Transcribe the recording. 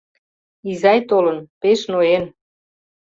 «Изай толын, пеш ноен